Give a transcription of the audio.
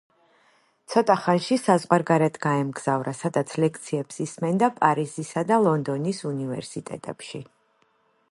ცოტა ხანში საზღვარგარეთ გაემგზავრა, სადაც ლექციებს ისმენდა პარიზისა და ლონდონის უნივერსიტეტებში.